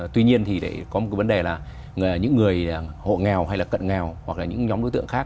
tuy nhiên thì có một cái vấn đề là những người hộ nghèo hay là cận nghèo hoặc là những nhóm đối tượng khác